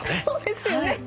そうですよね。